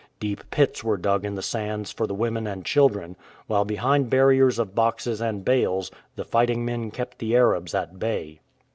Deep pits were dug in the sands for the women and children, while behind barriers of boxes and bales the fighting men kept the Arabs at bay.